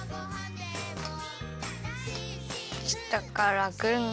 したからくるん。